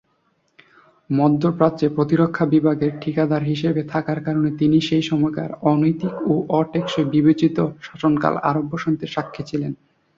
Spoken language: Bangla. মধ্যপ্রাচ্যে প্রতিরক্ষা বিভাগের ঠিকাদার হিসেবে থাকার কারণে তিনি সে সময়কার অনৈতিক ও অ-টেকসই বিবেচিত শাসনকাল আরব বসন্তের সাক্ষী ছিলেন।